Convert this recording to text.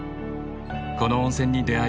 この温泉に出会い